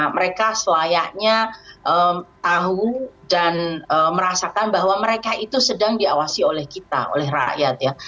mereka selayaknya tahu dan merasakan bahwa mereka itu sedang diawasi oleh kita oleh rakyat ya